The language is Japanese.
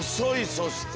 そして。